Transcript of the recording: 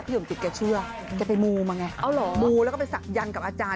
พี่สมจิตเชื่อเขายังไปมูมาไงมูแล้วก็ไปศักดิ์ยันต์กับอาจารย์